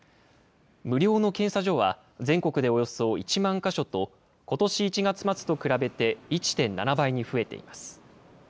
無料の検査所は全国でおよそ１万か所と、ことし１月末と比べて１．７倍に増えています。